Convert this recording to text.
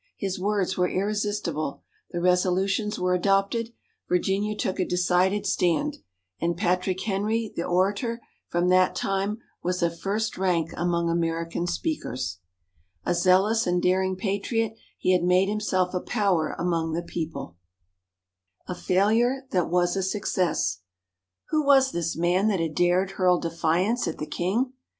His words were irresistible. The resolutions were adopted. Virginia took a decided stand. And Patrick Henry, the orator, from that time was of first rank among American speakers. [Illustration: "'TREASON! TREASON!' CRIED SOME OF THE EXCITED MEMBERS"] A zealous and daring Patriot, he had made himself a power among the People. A Failure that was a Success Who was this man that had dared hurl defiance at the King?